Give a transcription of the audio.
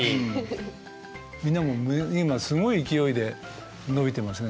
みんなもう今すごい勢いで伸びてますね。